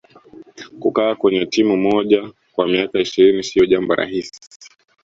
kukaa kwenye timu moja kwa miaka ishirini siyo jambo rahisi